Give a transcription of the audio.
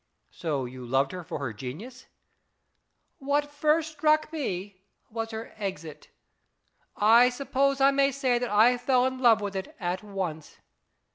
" So you loved her for her genius ?" u What first struck me was her exit. I suppose I may say that I fell in love with it at once.